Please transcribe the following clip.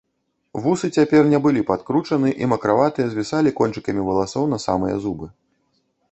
Вусы цяпер не былі падкручаны і, макраватыя, звісалі кончыкамі валасоў на самыя зубы.